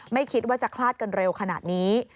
ไม่คิดว่าจะคลาดกันเร็วขนาดนี้